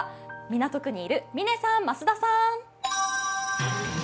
港区にいる、嶺さん、増田さん。